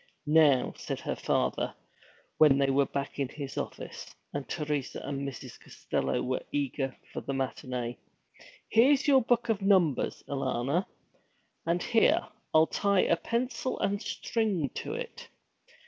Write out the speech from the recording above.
'Now,' said her father, when they were back in his office, and Teresa and Mrs. Costello were eager for the matinée, 'here's your book of numbers, Alanna. And here, I'll tie a pencil and a string to it.